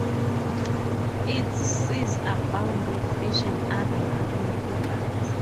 Its seas abound with fish and other marine products.